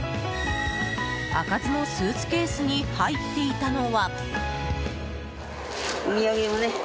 開かずのスーツケースに入っていたのは。